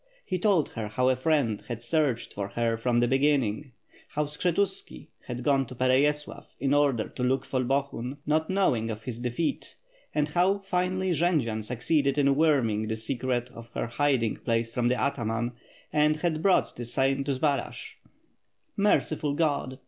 He told her how a friend had searched for her from the beginning, how Skshetuski had gone to Pereyaslav in order to look for Bohun, not know ing of his defeat, and how finally Jendzian succeeded in worming the secret of her hiding place from the ataman, and had brought the same to Zbaraj. "Merciful Grod!''